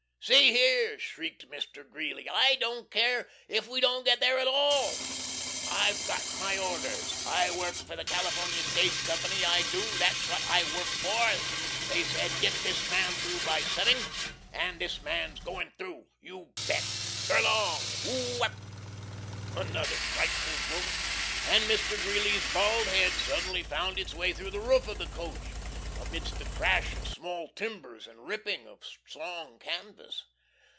"See here!" shrieked Mr. Greeley, "I don't care if we don't get there at all!" "I've got my orders! I work for the California Stage Company, I do. That's wot I WORK for. They said, 'git this man through by seving.' An' this man's goin' through. You bet! Gerlong! Whoo ep!" Another frightful jolt, and Mr. Greeley's bald head suddenly found its way through the roof of the coach, amidst the crash of small timbers and the ripping of strong canvas.